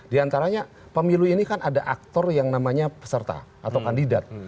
di antaranya pemilu ini kan ada aktor yang namanya peserta atau kandidat